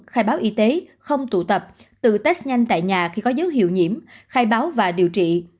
khai báo y tế không tụ tập tự test nhanh tại nhà khi có dấu hiệu nhiễm khai báo và điều trị